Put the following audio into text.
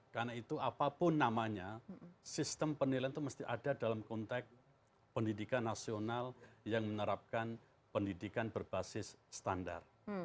karena itu apapun namanya sistem penilaian itu mesti ada dalam konteks pendidikan nasional yang menerapkan pendidikan berbasis standar